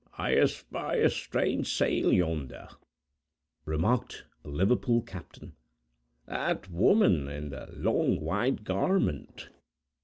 "I espy a strange sail, yonder," remarked a Liverpool captain; "that woman in the long, white garment!"